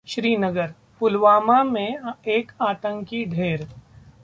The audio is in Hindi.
श्रीनगर: पुलवामा में एक आतंकी ढेर